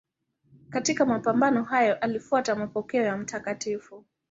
Katika mapambano hayo alifuata mapokeo ya Mt.